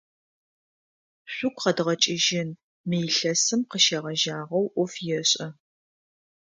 Шъугу къэдгъэкӏыжьын, мы илъэсым къыщегъэжьагъэу ӏоф ешӏэ.